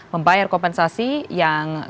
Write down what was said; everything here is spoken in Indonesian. membayar kompensasi yang